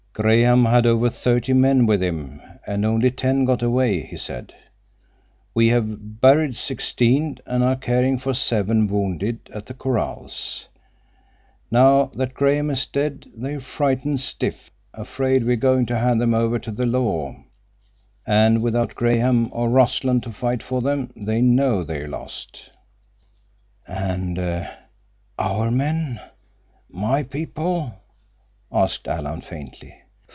"Graham had over thirty men with him, and only ten got away," he said. "We have buried sixteen and are caring for seven wounded at the corrals. Now that Graham is dead, they're frightened stiff—afraid we're going to hand them over to the law. And without Graham or Rossland to fight for them, they know they're lost." "And our men—my people?" asked Alan faintly.